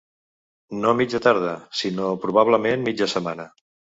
No mitja tarda, sinó probablement mitja setmana.